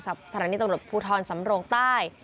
สถานีตำรวจภูทรสำโรงใต้